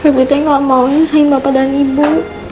pepri saya nggak mau nyusahin bapak dan ibu